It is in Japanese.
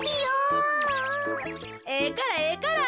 ええからええから。